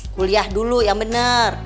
kuliah dulu yang bener